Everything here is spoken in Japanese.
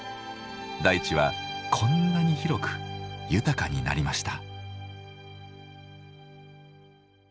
大地はこんなに広く豊かになりました。